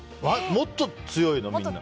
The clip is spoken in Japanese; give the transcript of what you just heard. もっと強いの？